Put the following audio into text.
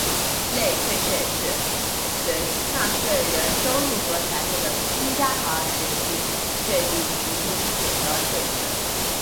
累退税是随纳税人收入和财富的增加而实际税率逐步递减的税制。